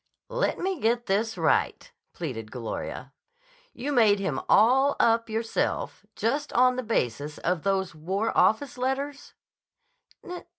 "Let me get this right," pleaded Gloria. "You made him all up yourself, just on the basis of those war office letters?"